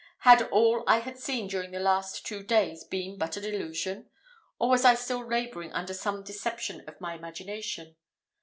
Had all I had seen during the last two days been but a delusion, or was I still labouring under some deception of my imagination?